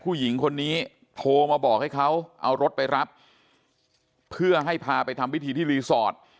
ผู้หญิงคนนี้โทรมาบอกให้เขาเอารถไปรับเพื่อให้พาไปทำพิธีที่รีสอร์ท